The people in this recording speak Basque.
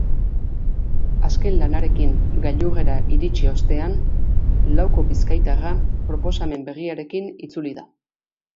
Azken lanarekin gailurrera iritsi ostean, lauko bizkaitarra proposamen berriarekin itzuli da.